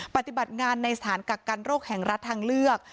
ปฏิบัติงานในสถานกักกันโรคแห่งรัฐทางเลือก